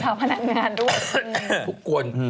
เจ้าพนักงานทุกคน